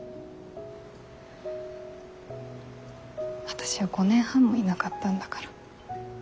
私は５年半もいなかったんだから。